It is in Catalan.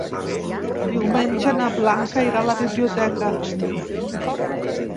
Diumenge na Blanca irà a la biblioteca.